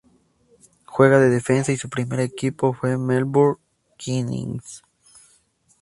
Juega de defensa y su primer equipo fue Melbourne Knights.